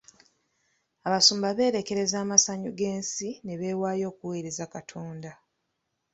Abasumba beerekereza amasanyu g'ensi ne beewaayo okuweereza Katonda.